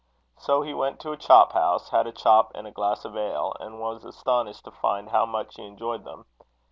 So he went to a chop house, had a chop and a glass of ale, and was astonished to find how much he enjoyed them.